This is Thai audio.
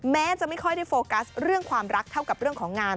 แม้จะไม่ค่อยได้โฟกัสเรื่องความรักเท่ากับเรื่องของงาน